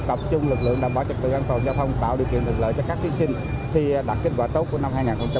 tập trung lực lượng đảm bảo trật tự an toàn giao thông tạo điều kiện thuận lợi cho các thí sinh thi đạt kết quả tốt của năm hai nghìn hai mươi